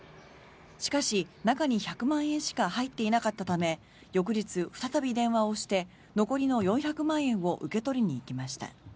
しかし、中に１００万円しか入っていなかったため翌日、再び電話をして残りの４００万円を受け取りに行きました。